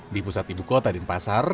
di pusat ibu kota dan pasar